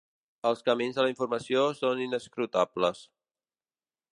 Els camins de la informació són inescrutables.